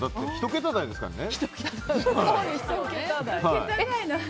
１桁台ですからね。